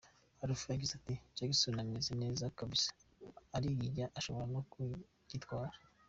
Alpha yagize ati : “Jackson ameze neza kabisa, uriya ashobora no kugitwara.